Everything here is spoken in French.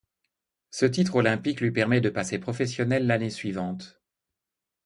Ce titre olympique lui permet de passer professionnel l'année suivante.